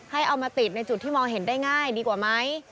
เอามาติดในจุดที่มองเห็นได้ง่ายดีกว่าไหม